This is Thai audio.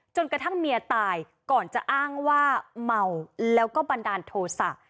จนกระทั่งเมียตายก่อนจะอ้างว่าเมาแล้วก็บันดาลโทษะ